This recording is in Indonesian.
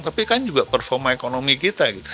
tapi kan juga performa ekonomi kita